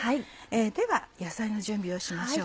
では野菜の準備をしましょう。